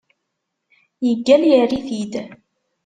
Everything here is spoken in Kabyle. Yeggal yerr-it-id.